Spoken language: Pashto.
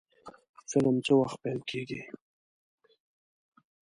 فلم څه وخت پیل کیږي؟